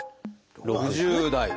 ６０代！